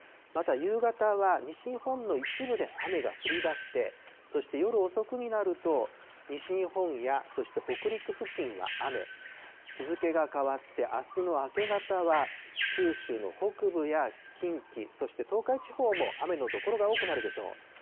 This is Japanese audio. また夕方は、西日本の一部で雨が降りだして、そして夜遅くなると、西日本や、そして北陸付近は雨、日付が変わってあすの明け方は、九州の北部や近畿、そして東海地方も雨の所が多くなるでしょう。